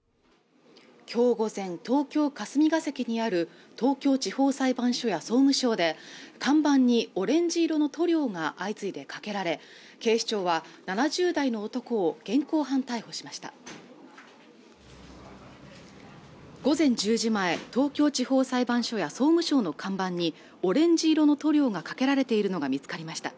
今日午前東京・霞が関にある東京地方裁判所や総務省で看板にオレンジ色の塗料が相次いでかけられ警視庁は７０代の男を現行犯逮捕しました午前１０時前東京地方裁判所や総務省の看板にオレンジ色の塗料がかけられているのが見つかりました